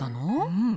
うん。